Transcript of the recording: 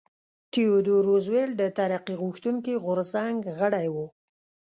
تیودور روزولټ د ترقي غوښتونکي غورځنګ غړی و.